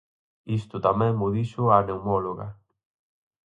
Isto tamén mo dixo a pneumóloga.